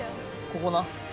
ここな。